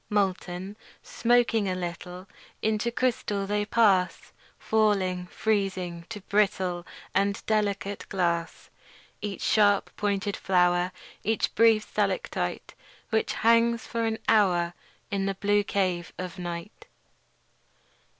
Molten, smoking a little, Into crystal they pass; Falling, freezing, to brittle And delicate glass. Each a sharp pointed flower, Each a brief stalactite Which hangs for an hour In the blue cave of night.